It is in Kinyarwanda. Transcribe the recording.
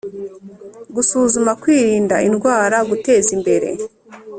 Gusuzuma kwirinda indwara guteza imbere